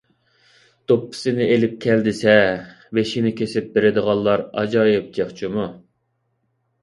دوپپىسىنى ئېلىپ كەل دېسە، بېشىنى كېسىپ بېرىدىغانلار ئاجايىپ جىق جۇمۇ!